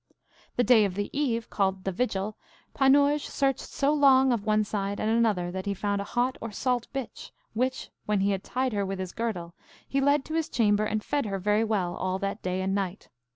The day of the eve, called the vigil, Panurge searched so long of one side and another that he found a hot or salt bitch, which, when he had tied her with his girdle, he led to his chamber and fed her very well all that day and night.